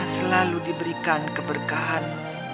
selalu diberikan keberkahan